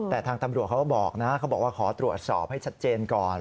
แต่ทางตำรวจเขาก็บอกนะเขาบอกว่าขอตรวจสอบให้ชัดเจนก่อน